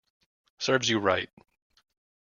Serves you right